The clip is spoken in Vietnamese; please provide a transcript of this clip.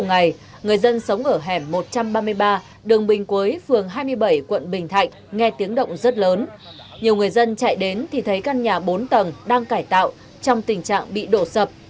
giữa thời bình cuối phường hai mươi bảy quận bình thạnh nghe tiếng động rất lớn nhiều người dân chạy đến thì thấy căn nhà bốn tầng đang cải tạo trong tình trạng bị đổ sập